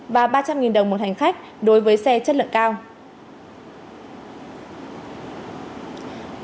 và ba trăm linh đồng một hành khách đối với xe chất lượng cao